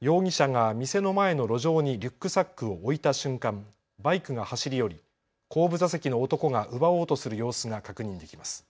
容疑者が店の前の路上にリュックサックを置いた瞬間、バイクが走り寄り後部座席の男が奪おうとする様子が確認できます。